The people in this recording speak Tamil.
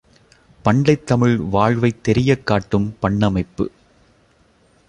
பண்டைத் தமிழ் வாழ்வைத் தெரியக் காட்டும் பண்ணமைப்பு!